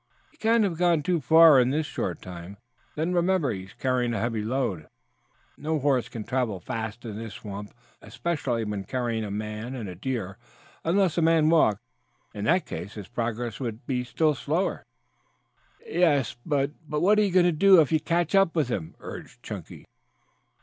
"He cannot have gone far in this short time. Then remember, he is carrying a heavy load. No horse can travel fast in this swamp, especially when carrying a man and a deer, unless the man walked. In that case his progress would be still slower." "Yes, but what are you going to do if you do catch up with him?" urged Chunky.